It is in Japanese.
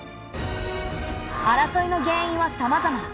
争いの原因はさまざま。